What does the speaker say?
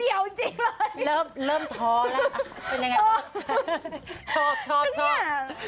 อ๋เอาเป็นยังไงชอบชอบชอบ